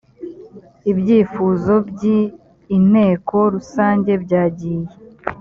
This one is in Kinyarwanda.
ibyifuzo byi inteko rusange byagiye